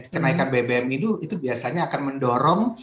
kenaikan bbm itu biasanya akan mendorong